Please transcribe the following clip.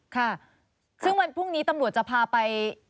ค่ะซึ่งวันพรุ่งนี้ตำรวจจะพาไป